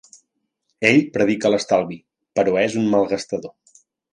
Ell predica l'estalvi, però és un malgastador.